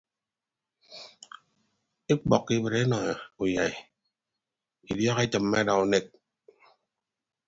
Ekpọkkọ ibịt enọ uyai idiọk etịmme ada unek.